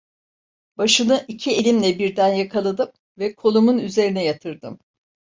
Başını iki elimle birden yakaladım ve kolumun üzerine yatırdım.